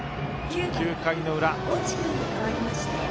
９回の裏。